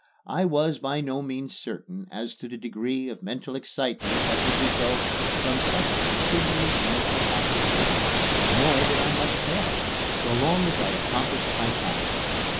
I was by no means certain as to the degree of mental excitement that would result from such continuous mental application; nor did I much care, so long as I accomplished my task.